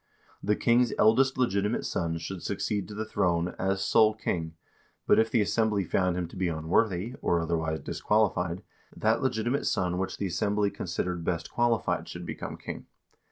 The king's eldest legiti mate son should succeed to the throne, as sole king, but if the assem bly found him to be unworthy, or otherwise disqualified, that legiti mate son which the assembly considered best qualified should become king.